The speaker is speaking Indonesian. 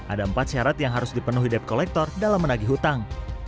ada empat syarat yang harus dipenuhi debt collector dalam menagih hutang